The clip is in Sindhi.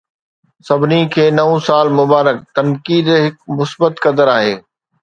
سڀني کي نئون سال مبارڪ! تنقيد هڪ مثبت قدر آهي.